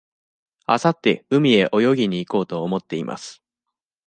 あさって海へ泳ぎに行こうと思っています。